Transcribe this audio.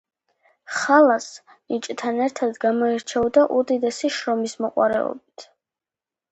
ხალას ნიჭთან ერთად გამოირჩეოდა უდიდესი შრომისმოყვარეობით.